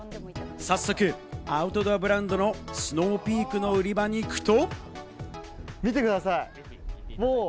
早速、アウトドアブランドのスノーピークの売り場に行くと。